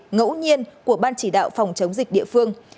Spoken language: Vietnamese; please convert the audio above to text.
ngẫu nhiên của ban chỉ đạo phòng chống dịch địa phương